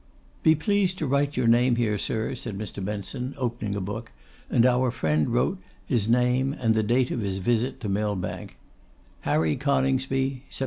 'Be pleased to write your name here, sir,' said Mr. Benson, opening a book, and our friend wrote his name and the date of his visit to Millbank: 'HARRY CONINGSBY, Sept.